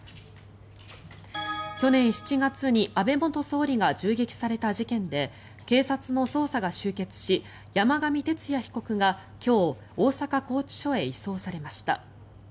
去年７月に安倍元総理が銃撃された事件で警察の捜査が終結し山上徹也被告が今日、大阪拘置所へ移送されました。